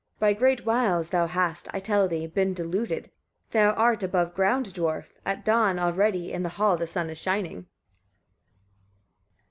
By great wiles thou hast, I tell thee, been deluded. Thou art above ground, dwarf! at dawn; already in the hall the sun is shining!